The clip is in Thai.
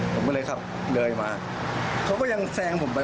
ผมก็เลยขับเลยมาเขาก็ยังแซงผมไป